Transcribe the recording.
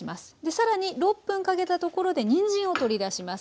さらに６分かけたところでにんじんを取り出します。